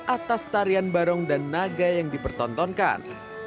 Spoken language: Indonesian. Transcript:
atas tarian barong dan naga yang dipertontonkan